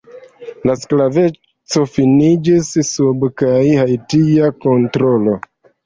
La sklaveco finiĝis sub kaj haitia kontrolo.